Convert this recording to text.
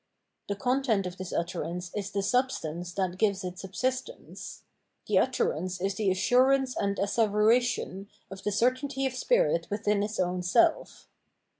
The content of this utterance is the substance that gives it subsistence ; the utterance is the assurance and asseveration of the certainty of spirit within its own self.